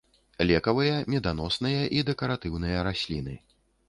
Лекавыя, меданосныя і дэкаратыўныя расліны.